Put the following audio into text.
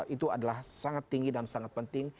itu adalah sangat tinggi dan sangat penting